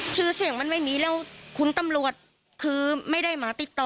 ชื่อเสียงมันไม่มีแล้วคุณตำรวจคือไม่ได้หมาติดต่อ